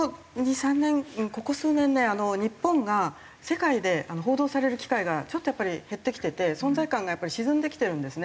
ここ数年ね日本が世界で報道される機会がちょっとやっぱり減ってきてて存在感がやっぱり沈んできてるんですね。